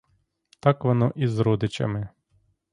Так воно і з родичами.